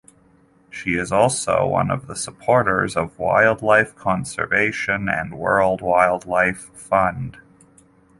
She is also one of the supporters of Wildlife Conservation and World Wildlife Fund.